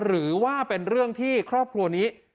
หรือว่าเป็นเรื่องที่ครอบครัวนี้